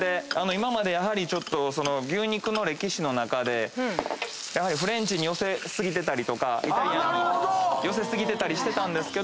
今まで牛肉の歴史の中でフレンチに寄せ過ぎてたりとかイタリアンに寄せ過ぎてたりしてたんですけど。